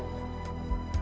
tidak ada apa apa